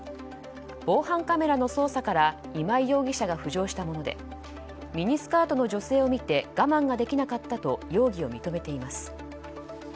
防犯カメラの捜査から今井容疑者が浮上したものでミニスカートの女性を見て我慢ができなかたっと容疑を認めています。